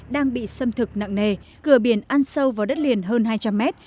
đang bị xâm thực nặng nề cửa biển ăn sâu vào đất liền hơn hai trăm linh mét